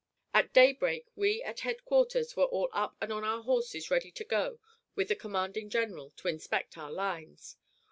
At daybreak we at headquarters were all up and on our horses ready to go with the commanding general to inspect our lines.